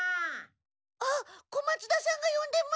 あっ小松田さんがよんでます。